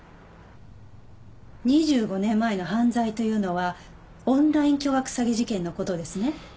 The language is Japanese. ２５年前の犯罪というのはオンライン巨額詐欺事件の事ですね？